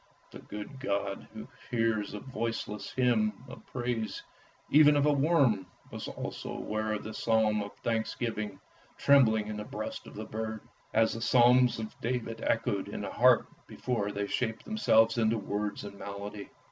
The good God who hears the voiceless hymn of praise even of a worm, was also aware of this psalm of thanksgiving trembling in the breast of the bird, as the psalms of David echoed in his heart before they shaped themselves into words and melody.